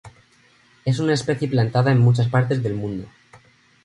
Es una especie plantada en muchas partes del mundo.